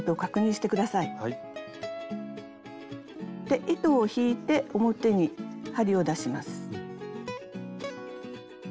で糸を引いて表に針を出します。